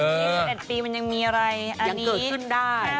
ยี่สิบเอ็ดปีมันยังมีอะไรยังเกิดขึ้นได้